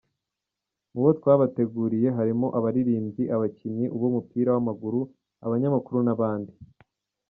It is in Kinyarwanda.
Mu bo twabateguriye, harimo abaririmbyi, abakinnyi b’umupira w’amaguru, abanyamakuru n’abandi.